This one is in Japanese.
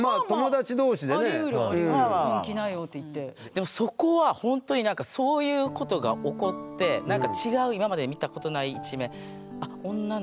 でもそこはほんとにそういうことが起こって何か違う今まで見たことない一面。